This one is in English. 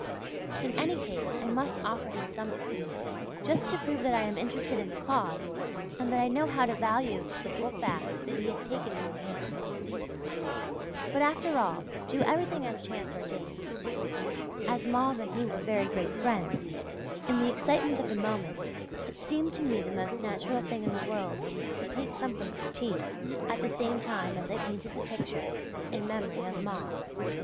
In any case I must offer him something, just to prove that I am interested in the cause, and that I know how to value to the full the fact that he has taken it in hand. But, after all, do everything as chance ordains.... As Mauve and he were very great friends, in the excitement of the moment it seemed to me the most natural thing in the world to paint something for T. at the same time as I painted the picture "In Memory of Mauve."